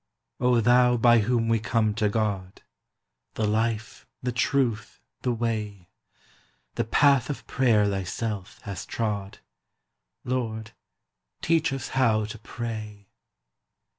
O Thou by whom we come to God The life, the truth, the way! The path of prayer Thyself hast trod; Lord, teach us how to pray!